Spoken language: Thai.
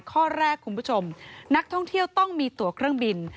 ข้อแรกคุณผู้ชมนักท่องเที่ยวต้องมีตัวเครื่องบิน